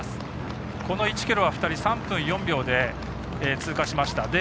この１ｋｍは３分４秒で通過しました。